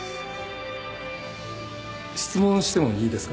質問してもいいですか？